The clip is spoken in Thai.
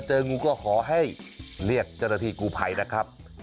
เจองูก็ขอให้เรียกเจ้าหน้าที่กูภัยนะครับ